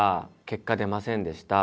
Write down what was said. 結果出ませんでした。